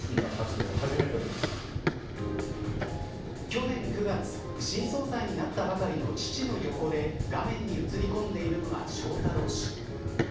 去年９月新総裁になったばかりの父の横で画面に映り込んでいるのが翔太郎氏。